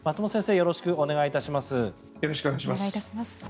よろしくお願いします。